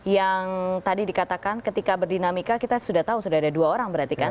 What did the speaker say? yang tadi dikatakan ketika berdinamika kita sudah tahu sudah ada dua orang berarti kan